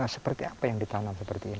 seperti apa yang ditanam seperti ini